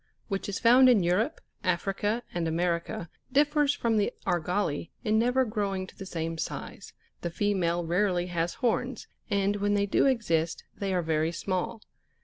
which is found in Europe, Africa, and America, differs from the Jlrgali in never growing to the same size : the female rarely has horns, and when they do exist, they are very small.